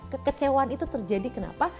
kekecewaan itu terjadi kenapa